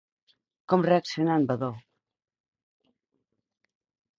Com reaccionà en Vadó?